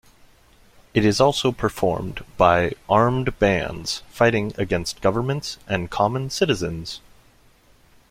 It is also performed by armed bands fighting against governments and common citizens.